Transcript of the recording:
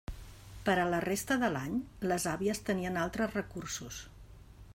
Per a la resta de l'any, les àvies tenien altres recursos.